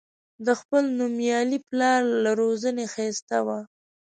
د خپل نومیالي پلار له روزنې ښایسته و.